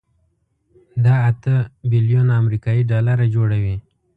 دا اته بيلیونه امریکایي ډالره جوړوي.